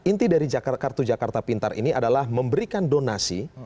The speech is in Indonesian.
inti dari kartu jakarta pintar ini adalah memberikan donasi